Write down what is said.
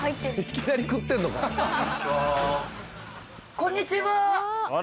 ・こんにちは。